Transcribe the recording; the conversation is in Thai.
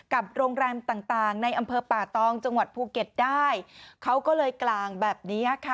โรงแรมต่างต่างในอำเภอป่าตองจังหวัดภูเก็ตได้เขาก็เลยกลางแบบนี้ค่ะ